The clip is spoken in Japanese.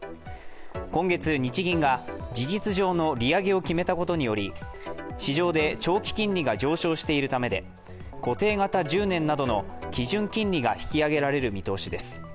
今月、日銀が事実上の利上げを決めたことにより市場で長期金利が上昇しているためで固定型１０年などの基準金利が引き上げられる見通しです。